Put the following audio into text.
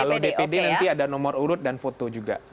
kalau dpd nanti ada nomor urut dan foto juga